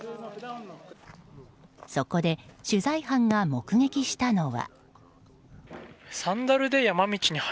そこで取材班が目撃したのは。